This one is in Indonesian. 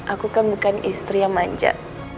aku kan bukan istri yang manja